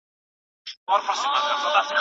طبیب نا پوه دی حبیب زما د رنځ خبر نه لري